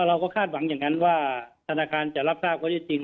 เราก็คาดหวังอย่างนั้นว่าธนาคารจะรับทราบก็ได้จริง